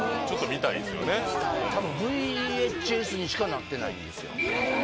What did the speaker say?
たぶんＶＨＳにしかなってないですよ。